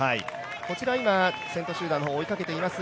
こちら今、先頭集団を追いかけています